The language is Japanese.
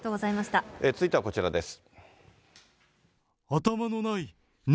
続いてはこちらです。